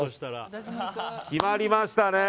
決まりましたね。